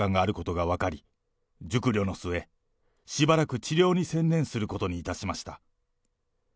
私には中いん頭がんがあることが分かり、熟慮の末、しばらく治療に専念することにいたしました。